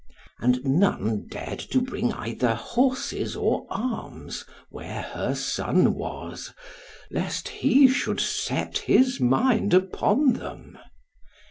And none dared to bring either horses or arms where her son was, lest he should set his mind upon them.